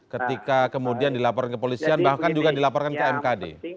ketika kemudian dilaporkan ke polisian bahkan juga dilaporkan ke mkd